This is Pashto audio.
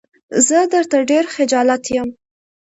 زه درته ډېر خجالت يم.